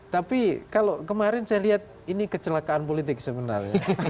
tapi kalau kemarin saya lihat ini kecelakaan politik sebenarnya